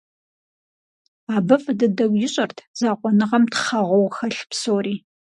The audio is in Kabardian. Абы фӀы дыдэу ищӀэрт закъуэныгъэм «тхъэгъуэу» хэлъ псори.